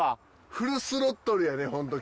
フルスロットルやでホント今日俺。